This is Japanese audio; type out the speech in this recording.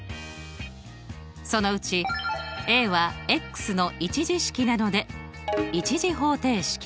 そのうちＡはの１次式なので１次方程式。